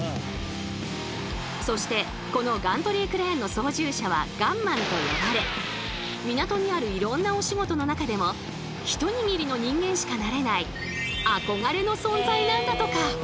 そしてこのガントリークレーンの操縦者は「ガンマン」と呼ばれ港にあるいろんなお仕事の中でも一握りの人間しかなれない憧れの存在なんだとか。